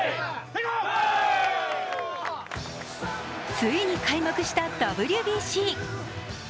ついに開幕したＷＢＣ。